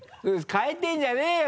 変えてるんじゃねぇよ